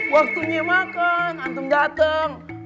waktunya makan antum datang